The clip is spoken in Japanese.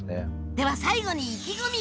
では最後に意気込みを！